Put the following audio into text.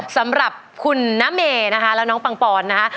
สำหรับคุณนเมนะคะแล้วน้องปังปอนนะคะ